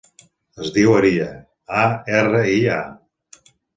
Es diu Aria: a, erra, i, a.